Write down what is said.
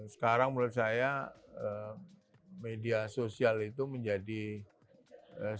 sekarang menurut saya media sosial itu menjadi sesuatu